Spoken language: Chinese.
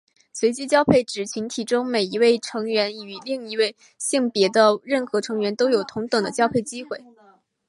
随机交配指群体中每一个成员与另一性别的任何成员都有同等的交配机会。